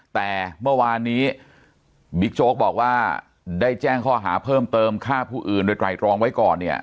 แต่เมื่อวานนี้บิ๊กโจ๊กบอกว่าได้แจ้งข้อหาเพิ่มเติมฆ่าผู้อื่นโดยไตรรองไว้ก่อนเนี่ย